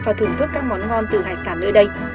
và thưởng thức các món ngon từ hải sản nơi đây